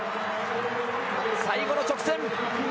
最後の直線。